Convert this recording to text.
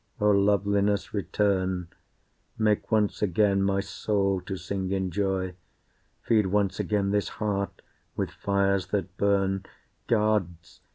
O Loveliness, return, Make once again my soul to sing in joy, Feed once again this heart with fires that burn, Gods!